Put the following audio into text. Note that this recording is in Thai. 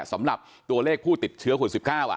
สำหรับตัวเลขผู้ติดเชื้อคน๑๙